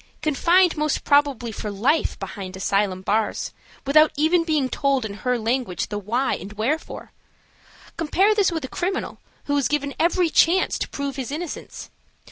Confined most probably for life behind asylum bars, without even being told in her language the why and wherefore. Compare this with a criminal, who is given every chance to prove his innocence.